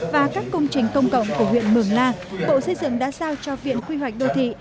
và các công trình công cộng của huyện mường la bộ xây dựng đã giao cho viện quy hoạch đô thị